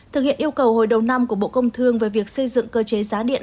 thực hiện yêu cầu hồi đầu năm của bộ công thương về việc xây dựng cơ chế giá điện